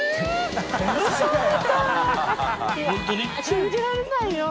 信じられないよ。